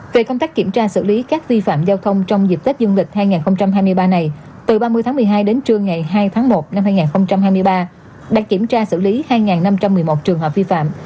về công tác kiểm tra xử lý các vi phạm giao thông trong dịp tết dương lịch hai nghìn hai mươi ba này từ ba mươi tháng một mươi hai đến trưa ngày hai tháng một năm hai nghìn hai mươi ba